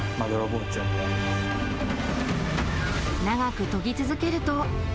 長く研ぎ続けると。